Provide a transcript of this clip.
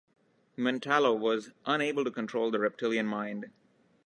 Mentallo was unable to control the reptillian mind.